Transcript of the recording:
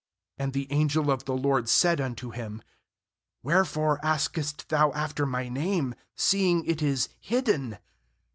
18And the angel of the, LORD said unto him: ' Wherefore askest thou after my name, seeing it is hidden?'